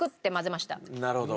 なるほど。